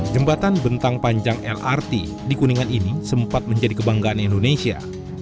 jembatan bentang panjang lrt di kuningan ini sempat menjadi kebanggaan indonesia